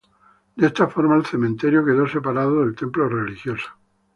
De esta forma el cementerio quedó separado del templo religioso.